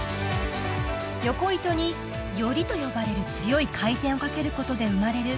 横糸に撚りと呼ばれる強い回転をかけることで生まれる